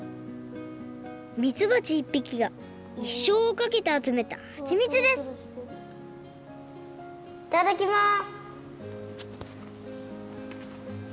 みつばち１匹がいっしょうをかけてあつめたはちみつですいただきます！